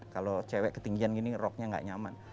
kalau cewek ketinggian gini roknya nggak nyaman